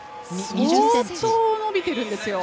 相当、伸びてるんですよ。